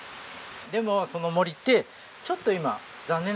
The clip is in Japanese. でもその森ってちょっと今残念な事になってる。